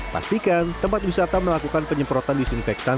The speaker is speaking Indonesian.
pastikan tempat wisata melakukan penyemprotan disinfektan